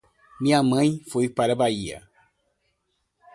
Minha mãe foi pra Bahia.